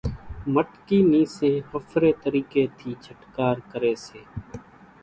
مٽڪي نيسين ۿڦري طريقي ٿي ڇٽڪار ڪري سي۔